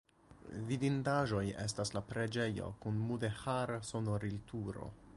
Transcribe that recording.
Vidindaĵoj estas la preĝejo kun mudeĥara sonorilturo.